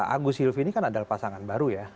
agus silvi ini kan adalah pasangan baru ya